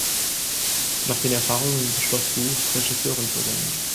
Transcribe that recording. Nach den Erfahrungen beschloss Wu, Regisseurin zu werden.